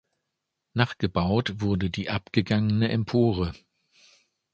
Nachgebaut wurde die abgegangene Empore.